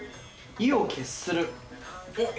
意を決する。